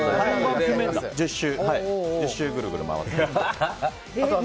１０周ぐるぐる回って。